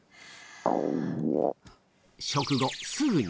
食後、すぐに。